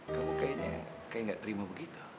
kamu kayaknya kayak gak terima begitu